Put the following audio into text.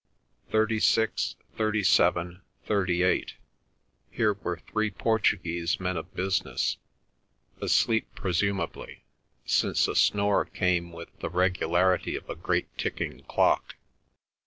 Thirty six, thirty seven, thirty eight—here were three Portuguese men of business, asleep presumably, since a snore came with the regularity of a great ticking clock.